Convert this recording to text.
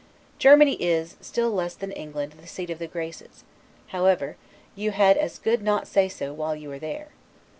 Germany is, still less than England, the seat of the Graces; however, you had as good not say so while you are there.